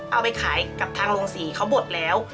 เอาไปขายกับทางโรงศรีเขาหมดแล้ว